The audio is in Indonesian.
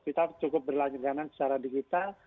kita cukup berlangganan secara digital